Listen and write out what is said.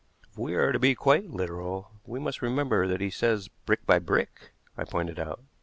"If we are to be quite literal, we must remember that he says brick by brick," I pointed out.